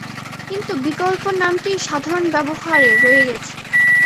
কিন্তু বিকল্প নামটিই সাধারণ ব্যবহারে রয়ে গেছে।